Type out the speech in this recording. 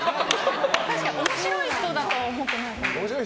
確かに面白い人だとは思ってない。